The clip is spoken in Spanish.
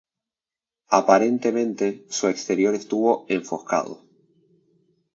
Aparentemente, su exterior estuvo enfoscado.